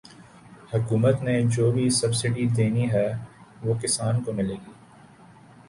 حکومت نے جو بھی سبسڈی دینی ہے وہ کسان کو ملے گی